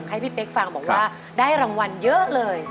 ให้พี่เป๊กฟังบอกว่าได้รางวัลเยอะเลย